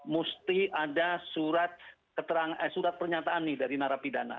mesti ada surat pernyataan nih dari narapidana